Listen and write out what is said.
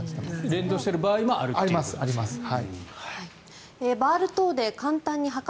連動している場合もあるということですね。